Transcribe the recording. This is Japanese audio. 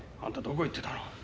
あんたどこ行ってたの？